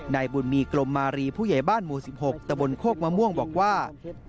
นายบุญมีกรมมารีผู้ใหญ่บ้านหมู่๑๖ตะบนโคกมะม่วงบอกว่า